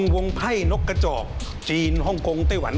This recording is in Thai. วงไพ่นกกระจอกจีนฮ่องกงไต้หวัน